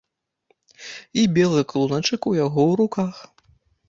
І белы клуначак у яго ў руках.